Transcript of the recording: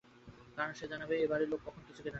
কারণ সে জানে এ বাড়ির লোকে কখনও কিছু কেনে না।